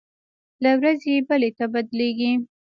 له ورځې بلې ته بدلېږي.